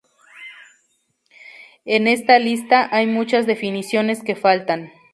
En esta lista hay muchas definiciones que faltan.